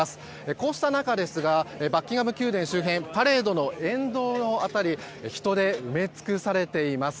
こうした中ですがバッキンガム宮殿周辺パレードの沿道の辺り人で埋め尽くされています。